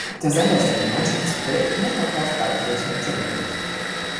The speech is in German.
Der Sender ist ein Gemeinschaftsprojekt mehrerer Freikirchen im Sendegebiet.